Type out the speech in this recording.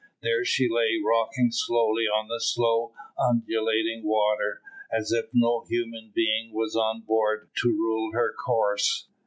There she lay rocking slowly on the slow undulating water, as if no human being was on board to rule her course.